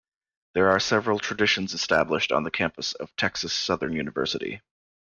There are several traditions established on the campus of Texas Southern University.